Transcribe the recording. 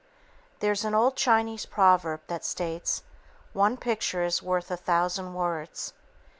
There's an old Chinese proverb that states: "One picture is worth a thousand words."